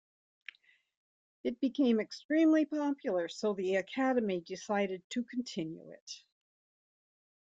It became extremely popular, so the Academy decided to continue it.